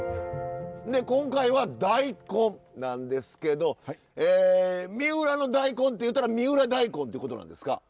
で今回は大根なんですけど三浦の大根っていうたら三浦大根ってことなんですか？